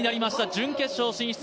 準決勝進出。